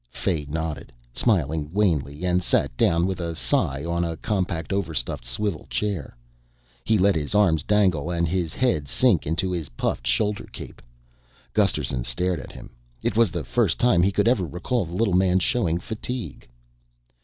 Fay nodded, smiled wanly and sat down with a sigh on a compact overstuffed swivel chair. He let his arms dangle and his head sink into his puffed shoulder cape. Gusterson stared at him. It was the first time he could ever recall the little man showing fatigue.